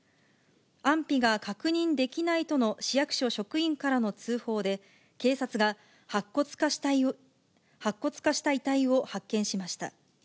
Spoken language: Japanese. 安否が確認できないとの市役所職員からの通報で、警察が白骨化した遺体を発見しました。